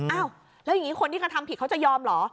อ้าวแล้วอย่างนี้คนที่กระทำผิดเขาจะยอมเหรอ